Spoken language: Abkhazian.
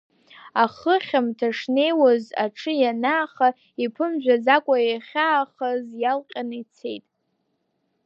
Ахы хьамҭа шнеиуаз аҽы ианааха, иԥымжәаӡакәа иахьаахаз иалҟьаны ицеит.